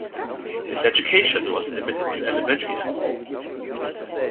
His education was limited to elementary school.